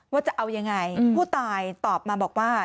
ว่าจะเอายังไงผู้ตายตอบมาบอกว่า